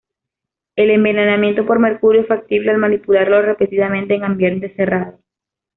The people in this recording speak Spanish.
El envenenamiento por mercurio es factible al manipularlo repetidamente en ambiente cerrado.